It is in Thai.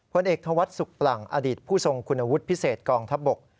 ผลเอกธวัฒน์สุขปลั่งอดีตผู้ทรงคุณวุฒิพิเศษกองทัพบก